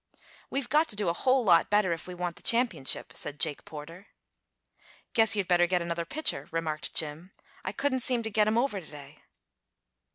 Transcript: "We've got to do a whole lot better if we want the championship," said Jake Porter. "Guess you'd better get another pitcher," remarked Jim. "I couldn't seem to get 'em over to day."